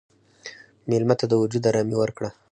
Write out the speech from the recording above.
مېلمه ته د وجود ارامي ورکړه.